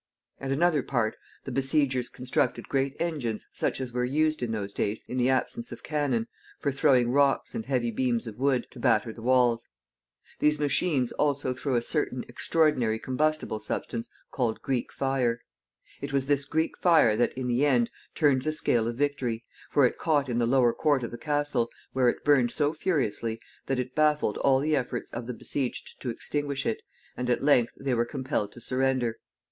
At another part the besiegers constructed great engines, such as were used in those days, in the absence of cannon, for throwing rocks and heavy beams of wood, to batter the walls. These machines also threw a certain extraordinary combustible substance called Greek fire. It was this Greek fire that, in the end, turned the scale of victory, for it caught in the lower court of the castle, where it burned so furiously that it baffled all the efforts of the besieged to extinguish it, and at length they were compelled to surrender.